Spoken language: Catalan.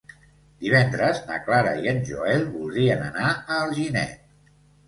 Divendres na Clara i en Joel voldrien anar a Alginet.